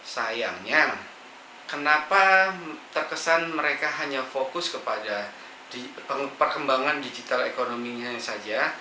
sayangnya kenapa terkesan mereka hanya fokus kepada perkembangan digital ekonominya saja